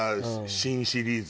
新シリーズ。